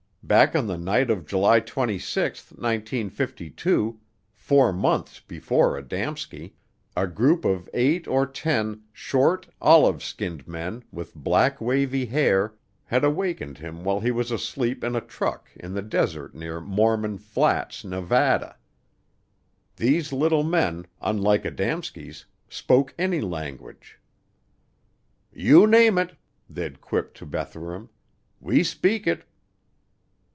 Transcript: Back on the night of July 26, 1952, four months before Adamski, a group of eight or ten, short, olive skinned men with black wavy hair, had awakened him while he was asleep in a truck in the desert near Mormon Flats, Nevada. These little men, unlike Adamski's, spoke any language. "You name it," they'd quipped to Bethurum, "we speak it."